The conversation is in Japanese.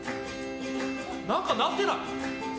何か鳴ってない？